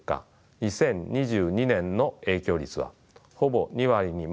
２０２２年の影響率はほぼ２割にまで高まりました。